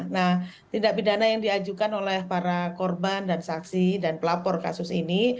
nah tindak pidana yang diajukan oleh para korban dan saksi dan pelapor kasus ini